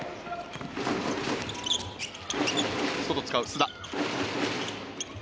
外使う、須田。